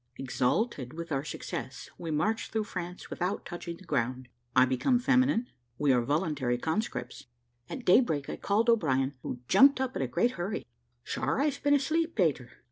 EXALTED WITH OUR SUCCESS, WE MARCH THROUGH FRANCE WITHOUT TOUCHING THE GROUND I BECOME FEMININE WE ARE VOLUNTARY CONSCRIPTS. At day break I called O'Brien, who jumped up in a great hurry. "Sure I've been asleep, Peter."